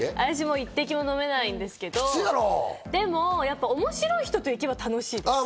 一滴も飲めないんですけど、でも面白い人と行けば楽しいです。